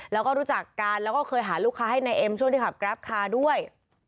แล้วก็รู้จักกันแล้วก็เคยหาลูกค้าให้นายเอ็มช่วงที่ขับแกรปคาร์ด้วย